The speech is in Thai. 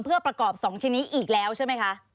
เพื่อประกอบ๒ชนิดอีกแล้วใช่ไหมคะ